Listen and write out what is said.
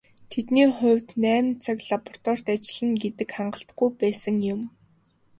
Тэдний хувьд найман цаг лабораторид ажиллана гэдэг хангалтгүй байсан юм.